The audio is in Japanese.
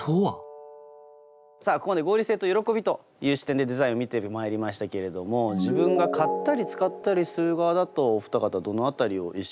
さあここまで「合理性」と「喜び」という視点でデザインを見てまいりましたけれども自分が買ったり使ったりする側だとお二方どの辺りを意識されますか？